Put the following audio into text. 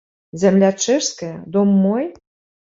Зямля чэшская, дом мой?